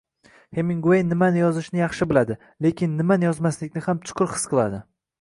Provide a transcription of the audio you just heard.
Heminguey nimani yozishni yaxshi biladi, lekin nimani yozmaslikni ham chuqur his qiladi